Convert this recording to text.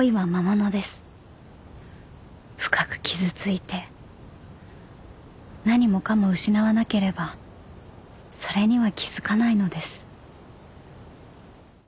［深く傷ついて何もかも失わなければそれには気付かないのです］